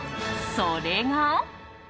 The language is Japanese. それが。